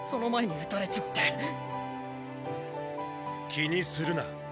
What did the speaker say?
気にするな。